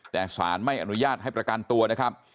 แต่สารไม่อนุญาตให้ประกันตัวนะครับ